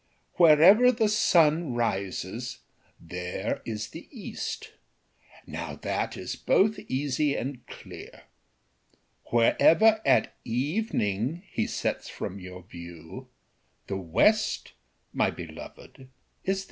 "Wherever the sun rises, there is the east, Now that is both easy and clear; Wherever at ev'ning he sets from your view, The west, my beloved, is there.